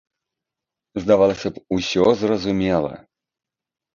Здавалася б, усё зразумела!